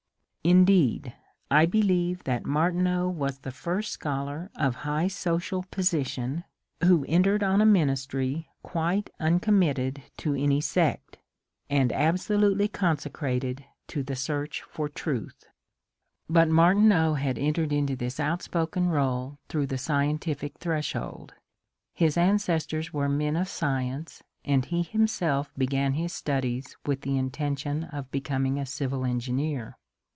Indeed I believe that Martineau was the first scholar of high CARLYLE ON SOCINIANISM 53 social position who entered on a ministry quite uncommitted to any sect, and absolutely consecrated to the search for truth. But Martinean had entered into this outspoken rdle through the scientific threshold. His ancestors were men of science and he himself began his studies with the intention of becom ing a civil engineer.